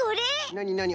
なになに？